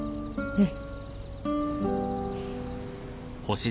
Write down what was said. うん。